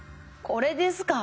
これですか？